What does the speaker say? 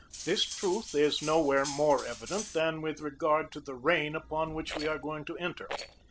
This truth is nowhere more evident than with regard to the reign upon which we are going to enter.